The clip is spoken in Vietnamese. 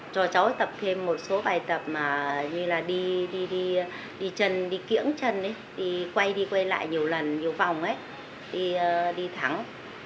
cho cháu tập thêm một số bài tập như là đi chân đi kiểng chân đi quay đi quay lại nhiều lần nhiều vòng đi thắng